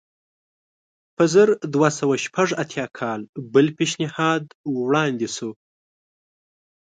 په زر دوه سوه شپږ اتیا کال بل پېشنهاد وړاندې شو.